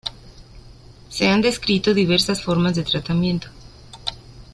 Se han descrito diversas formas de tratamiento.